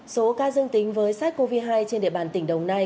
số ca dương tính với sars cov hai trên địa bàn tỉnh đồng nai